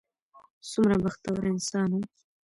څومره بختور انسان و.